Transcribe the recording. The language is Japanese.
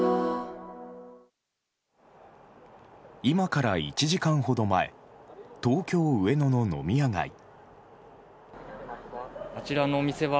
今から１時間ほど前東京・上野の飲み屋街。